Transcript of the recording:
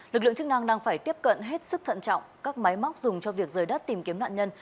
lực lượng chức năng đang phải tiếp cận hết sức thận trọng các máy móc dùng cho việc rời đất tìm kiếm nạn nhân